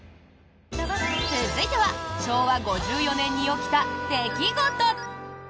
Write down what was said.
続いては昭和５４年に起きた出来事。